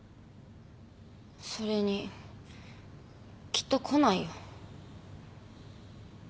それにきっと来ないよ。